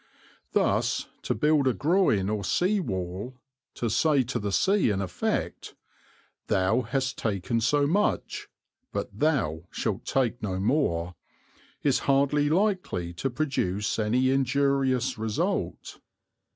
Thus to build a groyne or a sea wall, to say to the sea in effect, "Thou hast taken so much, but thou shalt take no more," is hardly likely to produce any injurious result.